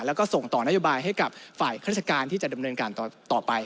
แล้วก็ส่งต่อนโยบายให้กับฝ่ายราชการที่จะดำเนินการต่อไป